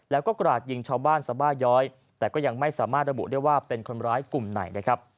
แล้วก็กราดยิงชาวบ้านสบาย้อยแต่ก็ยังไม่สามารถระบุได้ว่าเป็นคนร้ายกลุ่มไหนนะครับ